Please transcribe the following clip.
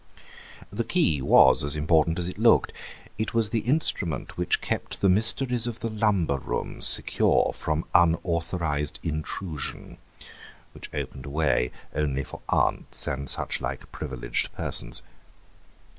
The key was as important as it looked; it was the instrument which kept the mysteries of the lumber room secure from unauthorised intrusion, which opened a way only for aunts and such like privileged persons.